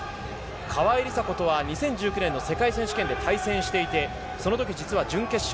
川井梨紗子とは２０１９年の世界選手権で対戦していて、その時、実は準決勝。